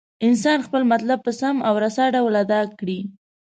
انسان خپل مطلب په سم او رسا ډول ادا کړي.